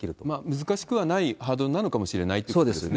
難しくはないハードルなのかもしれないということですね。